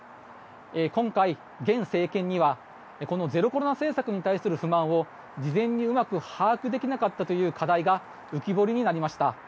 今回、現政権にはゼロコロナ政策に対する不満を事前にうまく把握できなかったという課題が浮き彫りになりました。